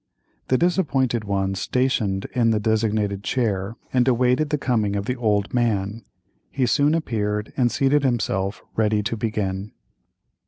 The disappointed one "stationed" in the designated chair, and awaited the coming of the "old man." He soon appeared and seated himself, ready to begin.